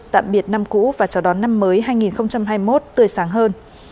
tạm biệt năm cũ và chào đón năm mới hai nghìn hai mươi một tươi sáng hơn